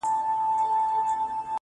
o کال ته به مرمه.